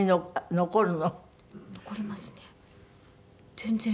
残りますね全然。